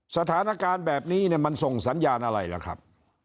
สถานการณ์แบบนี้มันส่งสัญญาณอะไรล่ะครับ